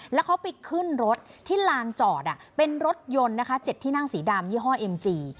แล้วเขาไปขึ้นรถที่ลานจอดเป็นรถยนต์นะคะ๗ที่นั่งสีดำยี่ห้อเอ็มจี